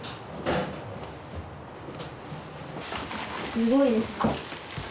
すごいですね。